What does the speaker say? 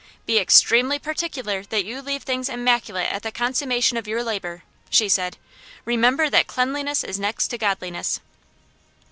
"Be extremely particular that you leave things immaculate at the consummation of your labour," she said. "'Remember that cleanliness is next to Godliness!'"